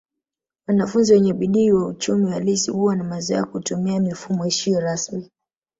Wanafunzi wenye bidii wa uchumi halisi huwa na mazoea ya kutumia mifumo isiyo rasmi